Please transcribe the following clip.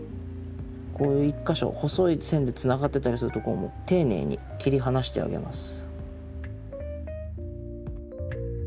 こう一か所細い線でつながってたりするところもていねいに切り離してあげます。